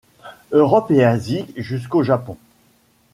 Europe et Asie jusqu'au Japon.